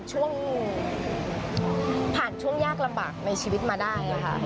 แอคแล้วก็ผ่านช่วงยากหลัมบากในชีวิตมาได้